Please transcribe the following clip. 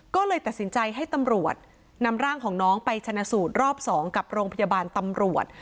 ก็เลยตัดสินใจให้ตำรวจนำร่างของน้องไปชนะสูตรรอบ๒กับโรงพยาบาลตำรวจ